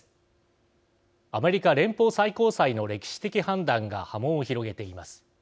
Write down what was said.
アメリカ連邦最高裁の歴史的判断が波紋を広げています。